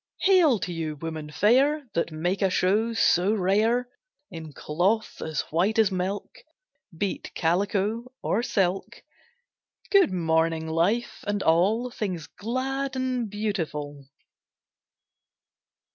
Hail to you women fair, That make a show so rare In cloth as white as milk Be't calico or silk: Good morning, Life and all Things glad and beautiful.